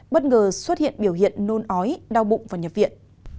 bất ngờ xuất hiện biểu hiện nôn ói đau bụng và nhập viện